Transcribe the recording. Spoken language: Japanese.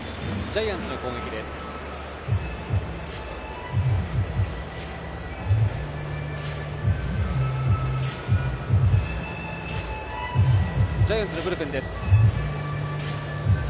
ジャイアンツのブルペンです。